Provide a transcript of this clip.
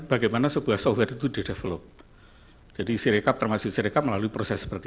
bagaimana sebuah software itu didevelop jadi siri kpu termasuk siri kpu melalui proses seperti